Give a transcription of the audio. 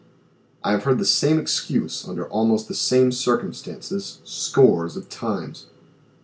(?) I have heard the same excuse under almost the same circumstances, scores of times.